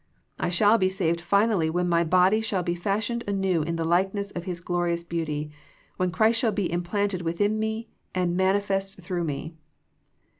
I shall be saved finally when my body shall be fashioned anew in the likeness of His glorious beauty, when Christ shall be implanted within me and manifest through me.